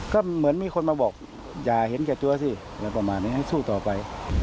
ก็เหมือนมีคนมาบอกอย่าเห็นแก่ตัวสิอะไรประมาณนี้ให้สู้ต่อไป